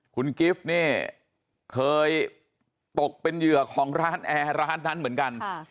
คุณกิฟต์นี่เคยตกเป็นเหยื่อของร้านแอร์ร้านนั้นเหมือนกัน